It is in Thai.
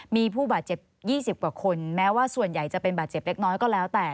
มีผู้บาดเจ็บ๒๐กว่าคนแม้ว่าส่วนใหญ่จะเป็นบาดเจ็บเล็กน้อยก็แล้วแต่